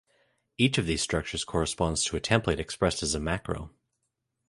Each of these structures corresponds to a template expressed as a macro.